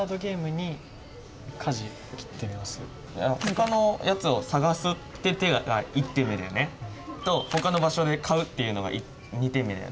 ほかのやつを探すって手が１点目だよね。とほかの場所で買うっていうのが２点目だよね。